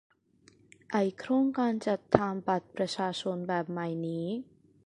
ไอ้ "โครงการจัดทำบัตรประชาชนแบบใหม่" นี่